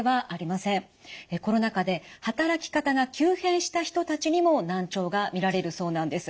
コロナ禍で働き方が急変した人たちにも難聴が見られるそうなんです。